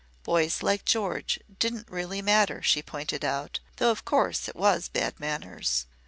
Boys like George didn't really matter, she pointed out, though of course it was bad manners.